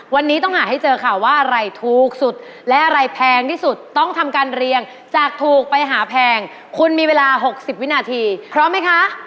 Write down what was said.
วันนี้ต้องหาให้เจอค่ะว่าอะไรถูกสุดและอะไรแพงที่สุดต้องทำการเรียงจากถูกไปหาแพงคุณมีเวลา๖๐วินาทีพร้อมไหมคะ